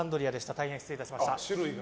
大変、失礼いたしました。